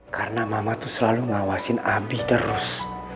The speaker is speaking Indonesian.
karena mama tuh selalu ngawasin abi terus